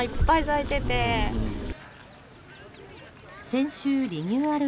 先週リニューアル